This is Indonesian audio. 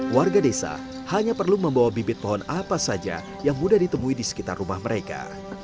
warga desa hanya perlu membawa bibit pohon apa saja yang mudah ditemui di sekitar rumah mereka